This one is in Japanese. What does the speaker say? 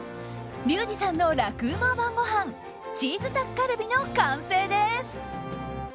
リュウジさんの楽ウマ晩ごはんチーズタッカルビの完成です！